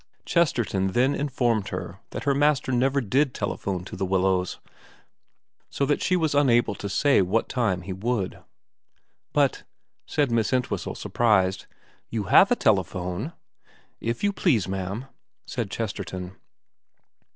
Chesterton then informed her that her master never did telephone to The Willows, so that she was unable to say what time he would. ' But,' said Miss Entwhistle, surprised, * you have a telephone.' ' If you please, ma'am,' said Chesterton.